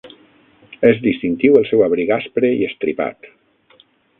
És distintiu el seu abric aspre i estripat.